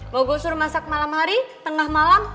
mau gue suruh masak malam hari tengah malam